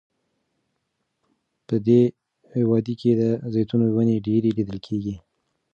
په دې وادۍ کې د زیتونو ونې ډیرې لیدل کیږي.